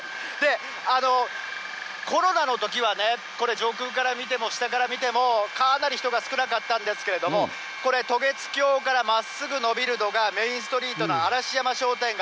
コロナのときはね、これ、上空から見ても、下から見ても、かなり人が少なかったんですけれども、これ、渡月橋からまっすぐ延びるのがメインストリートの嵐山商店街。